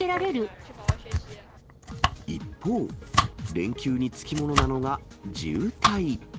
一方、連休に付き物なのが渋滞。